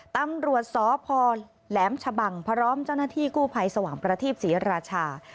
ตำรวจสพแหลมชะบังพร้อมเจ้าหน้าที่กู้ภัยสว่างประทีปศรีราชา